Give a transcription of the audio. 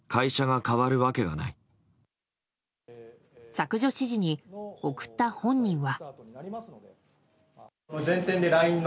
削除指示に送った本人は。